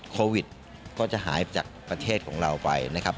โควิดก็จะหายจากประเทศของเราไปนะครับ